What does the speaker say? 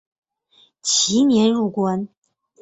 其年入关。